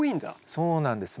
そうなんです。